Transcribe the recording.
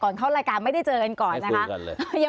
เข้ารายการไม่ได้เจอกันก่อนนะคะ